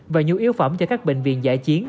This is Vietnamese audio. và nhu yếu phẩm cho các bệnh viện giải chiến